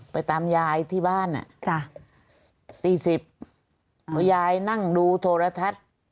ไปตามยายที่บ้านอ่ะจ้ะ๔๐พอยายนั่งดูโทรทัศน์